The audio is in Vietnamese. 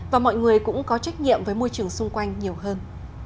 và mọi người cũng có trách nhiệm với môi trường xung quanh nhiều hơn